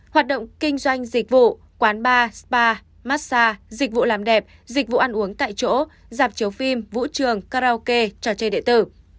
hoạt động kinh doanh dịch vụ quán bar spa massage dịch vụ làm đẹp dịch vụ ăn uống tại chỗ giảm chiếu phim vũ trường karaoke trò chơi địa tử